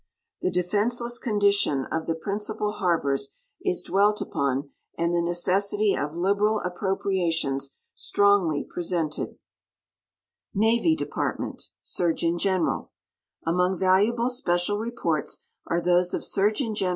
The defensele.'<s coinlition of the principal harbors is dwelt upon and the nece.ssity of liberal aj)p ropriations strongly ju esented. 44 GEOGRAPHIC LITER A TURE Navy Depaiitmext — Surgeon General. — Among valuable special reports are those of Surg. Gen.